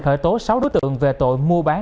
khởi tố sáu đối tượng về tội mua bán